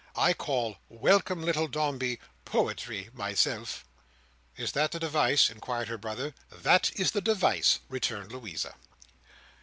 I call 'Welcome little Dombey' Poetry, myself!" "Is that the device?" inquired her brother. "That is the device," returned Louisa.